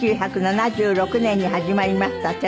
１９７６年に始まりました